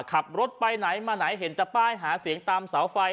ขับรถไปไหนมาไหนเห็นแต่ป้ายหาเสียงตามเสาไฟ